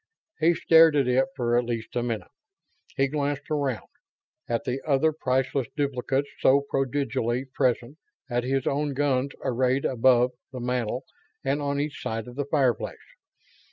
He stared at it for at least a minute. He glanced around: at the other priceless duplicates so prodigally present, at his own guns arrayed above the mantel and on each side of the fireplace.